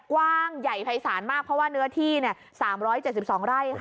กว้างใหญ่ภัยสารมากเพราะว่าเนื้อที่เนี้ยสามร้อยเจ็ดสิบสองไร่ค่ะ